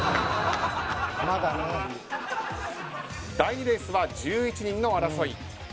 第２レースは１１人の争い。